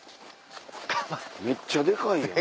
めっちゃデカいやん。